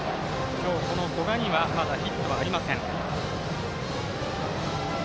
今日、古賀にはまだヒットがありません。